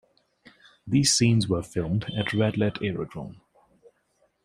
These scenes were filmed at Radlett Aerodrome.